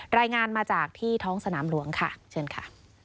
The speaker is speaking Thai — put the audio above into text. รายงานมาจากที่ท้องสนามหลวงค่ะเชิญค่ะ